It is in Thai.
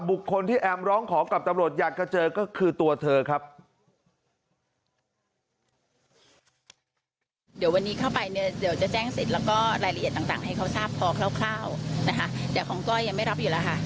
บุคคลที่แอมร้องขอกับตำรวจอยากจะเจอก็คือตัวเธอครับ